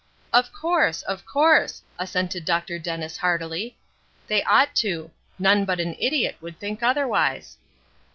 "Of course, of course," assented Dr. Dennis, heartily; "they ought to; none but an idiot would think otherwise."